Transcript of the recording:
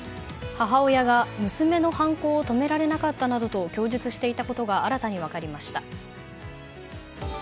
母親が娘の犯行を止められなかったなどと供述していることを新たに分かりました。